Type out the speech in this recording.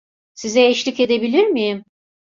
Size eşlik edebilir miyim?